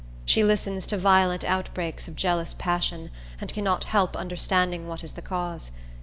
She listens to violent outbreaks of jealous passion, and cannot help understanding what is the cause.